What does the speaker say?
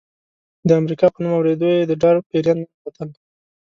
د امریکا په نوم اورېدو یې د ډار پیریان ننوتل.